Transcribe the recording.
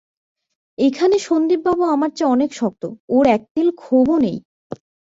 এইখানে সন্দীপবাবু আমার চেয়ে অনেক শক্ত, ওঁর একতিলও ক্ষোভ নেই।